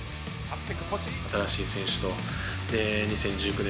新しい選手と２０１９年